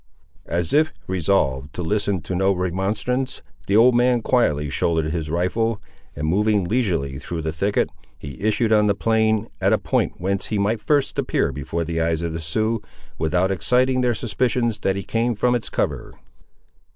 As if resolved to listen to no remonstrance, the old man quietly shouldered his rifle, and moving leisurely through the thicket, he issued on the plain, at a point whence he might first appear before the eyes of the Siouxes, without exciting their suspicions that he came from its cover.